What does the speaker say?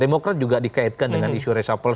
demokrat juga dikaitkan dengan isu resapel